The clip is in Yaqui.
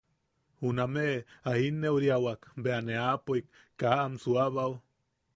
Juname a jinuriawak bea ne aapoik, kaa am suuabao.